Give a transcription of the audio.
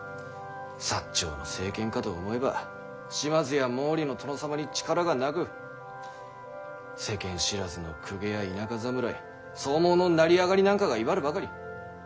長の政権かと思えば島津や毛利の殿様に力がなく世間知らずの公家や田舎侍草莽の成り上がりなんかが威張るばかり。